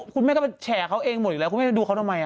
คุณแม่ก็ไปแฉเขาเองหมดอยู่แล้วคุณแม่ไปดูเขาทำไม